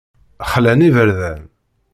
Xlan iberdan.